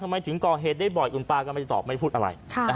ทำไมถึงก่อเหตุได้บ่อยคุณป้าก็ไม่ได้ตอบไม่พูดอะไร